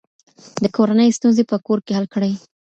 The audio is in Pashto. د کورنۍ ستونزې په کور کې حل کړئ.